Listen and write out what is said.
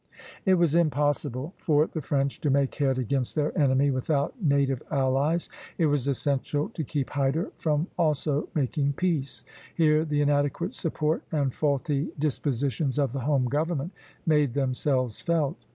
It was impossible for the French to make head against their enemy without native allies; it was essential to keep Hyder from also making peace. Here the inadequate support and faulty dispositions of the home government made themselves felt.